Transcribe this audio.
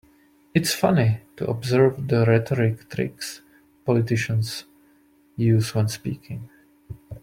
It's funny to observe the rhetoric tricks politicians use when speaking.